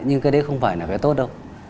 nhưng cái đấy không phải là cái tốt đâu